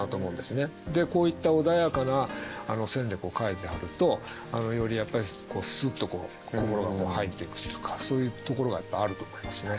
でこういった穏やかな線で描いてあるとよりスッとこう心が入っていくというかそういうところがあると思いますね。